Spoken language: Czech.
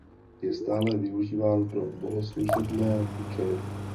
Je stále využíván pro bohoslužebné účely.